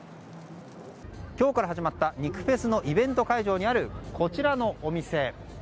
今日から始まった肉フェスのイベント会場にあるこちらのお店。